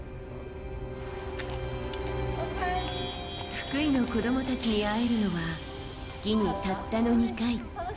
福井の子供たちに会えるのは月にたったの２回。